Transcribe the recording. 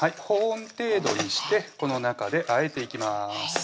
保温程度にしてこの中で和えていきます